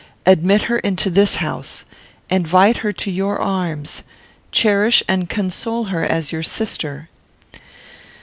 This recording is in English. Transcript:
Admit her into this house. Invite her to your arms. Cherish and console her as your sister."